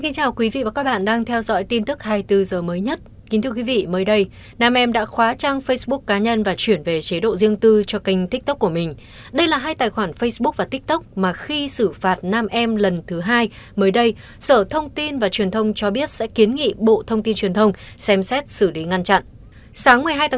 chào mừng quý vị đến với bộ phim hãy nhớ like share và đăng ký kênh của chúng mình nhé